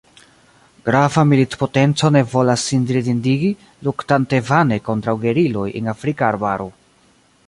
Grava militpotenco ne volas sin ridindigi, luktante vane kontraŭ geriloj en afrika arbaro.